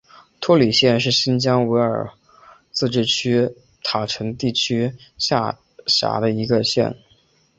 托里县是新疆维吾尔自治区塔城地区下辖的一个县。